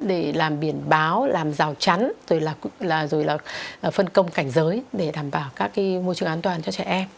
để làm biển báo làm rào trắng rồi là phân công cảnh giới để đảm bảo các cái môi trường an toàn cho trẻ em